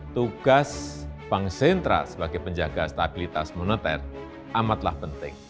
tugas bank sentral sebagai penjaga stabilitas moneter amatlah penting